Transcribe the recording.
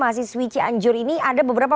mahasiswi cianjur ini ada beberapa